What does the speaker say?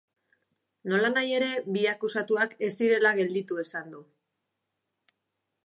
Nolanahi ere, bi akusatuak ez zirela gelditu esan du.